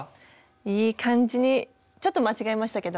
いい感じにちょっと間違えましたけど。